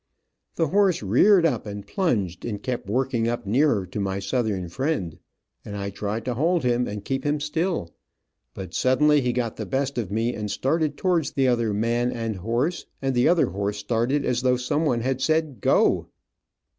The horse reared up and plunged, and kept working up nearer to my Southern friend, and I tried to hold him, and keep him still, but suddenly he got the best of me and started towards the other man and horse, and the other horse started, as though some one had said "go".